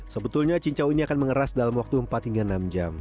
sebetulnya cincau ini akan mengeras dalam waktu empat hingga enam jam